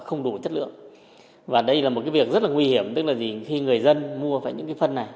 không có giá trị sử dụng